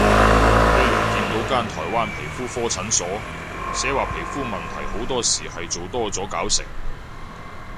呢輪見到間台灣皮膚科診所，寫話皮膚問題好多時係做多咗搞成